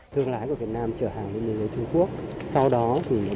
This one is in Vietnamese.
thương lái của việt nam chở hàng đến biên giới trung quốc sau đó thì nó đi tìm